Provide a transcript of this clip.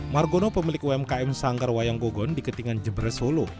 margono pemilik umkm sanggar wayang gogon di ketingan jebresolo